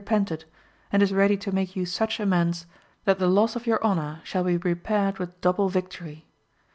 11^ pented, and is ready to make you such amends, that the loss of your honour shall be repaired with double victory.